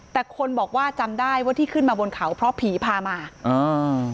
แต่คนบอกว่าจำได้ว่าที่ขึ้นมาบนเขาเพราะผีพามาอ่า